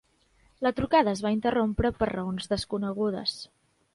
La trucada es va interrompre per raons desconegudes.